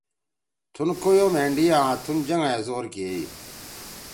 تُھن کویو مھینڈی آں تُھن جنگا ئے زور کیئی۔“